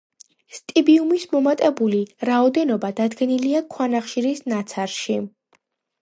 სტიბიუმის მომატებული რაოდენობა დადგენილია ქვანახშირის ნაცარში.